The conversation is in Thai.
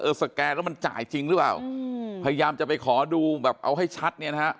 สแกนแล้วมันจ่ายจริงหรือเปล่าอืมพยายามจะไปขอดูแบบเอาให้ชัดเนี่ยนะฮะ